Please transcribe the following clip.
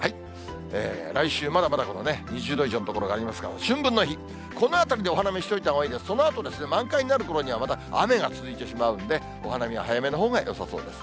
来週、まだまだ２０度以上の所がありますから、春分の日、このあたりでお花見しておいたほうがいいです、このあと、満開になるころにはまた雨が続いてしまうんで、お花見は早めのほうがよさそうです。